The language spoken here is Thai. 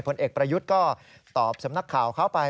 ผลเอกประยุทธ์ก็ตอบสำนักข่าวเข้าไป